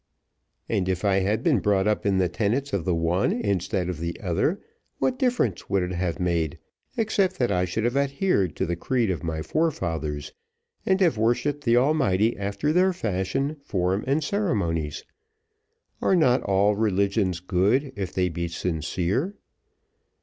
"And if I had been brought up in the tenets of the one instead of the other, what difference would it have made, except that I should have adhered to the creed of my forefathers, and have worshipped the Almighty after their fashion, form, and ceremonies? And are not all religions good if they be sincere?